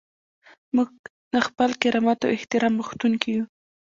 موږ د خپل کرامت او احترام غوښتونکي یو.